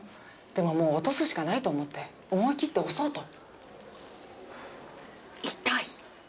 でももう落とすしかないと思って思い切って押そうと。